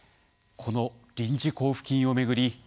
この臨時交付金を巡り